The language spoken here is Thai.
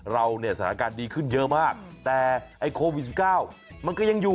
เราเนี่ยสถานการณ์ดีขึ้นเยอะมากแต่ไอ้โควิด๑๙มันก็ยังอยู่